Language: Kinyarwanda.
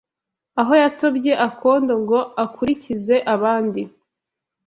Aho yatobye akondo Ngo akulikize abandi